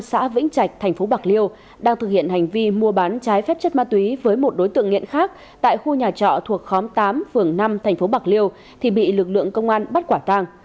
xã vĩnh trạch thành phố bạc liêu đang thực hiện hành vi mua bán trái phép chất ma túy với một đối tượng nghiện khác tại khu nhà trọ thuộc khóm tám phường năm thành phố bạc liêu thì bị lực lượng công an bắt quả tàng